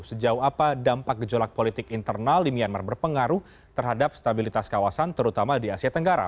sejauh apa dampak gejolak politik internal di myanmar berpengaruh terhadap stabilitas kawasan terutama di asia tenggara